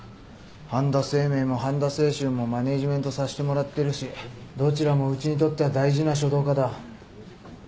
半田清明も半田清舟もマネジメントさしてもらってるしどちらもうちにとっては大事な書道家だ。